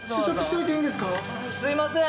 すいません。